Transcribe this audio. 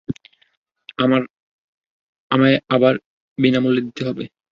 আমায় এবার বিনামূল্যে দিতে হবে।